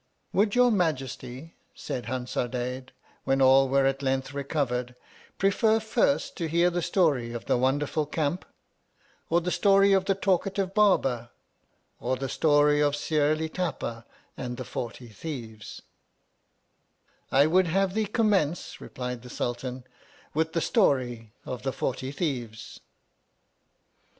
Would your Majesty, said Hansardadade, when all were at length recovered, prefer first to hear the story of the Wonderful Camp, or the story of the Talkative Barber, or the story of Scarli Tapa and the Forty Thieves 1 I would have thee commence, replied the Sultan, with the story of the Forty Thieves.